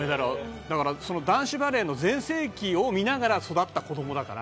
男子バレーの全盛期を見ながら育った子どもだから。